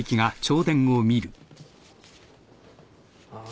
ああ。